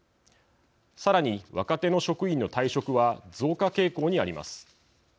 さらに、若手の職員の退職は増加傾向にあります。